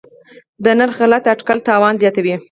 د نرخ غلط اټکل تاوان زیاتوي.